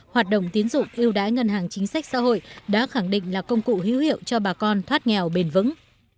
hoạt động tiến dụng ưu đãi ngân hàng chính sách xã hội đã khẳng định là công cụ hữu hiệu cho bà con thoát nghèo bền vững